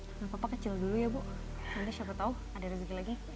enggak apa apa kecil dulu ya bu ada rezeki lagi